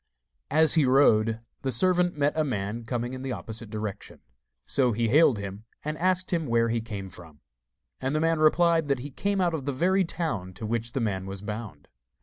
As he rode, the servant met a man coming in the opposite direction. So he hailed him and asked him where he came from. And the man replied that he came out of the very town to which the man was bound.